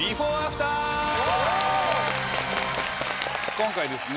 今回ですね